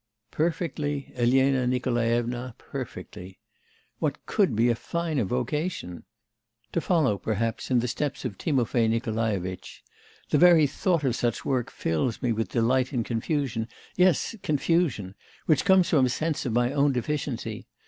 'Perfectly, Elena Nikolaevna, perfectly. What could be a finer vocation? To follow, perhaps, in the steps of Timofay Nikolaevitch ... The very thought of such work fills me with delight and confusion ... yes, confusion... which comes from a sense of my own deficiency.